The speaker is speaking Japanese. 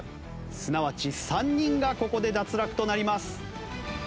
すなわち３人がここで脱落となります。